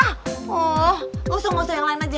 gak usah gak usah yang lain aja